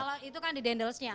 kalau itu kan di dendelsnya